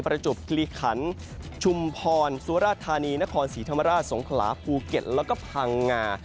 จบกิริขันชุมพรสุราธานีนครศรีธรรมราชสงขลาภูเก็ตแล้วก็พังงา